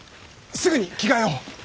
すぐに着替えを！